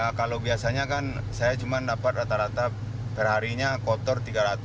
ya kalau biasanya kan saya cuma dapat rata rata perharinya kotor tiga ratus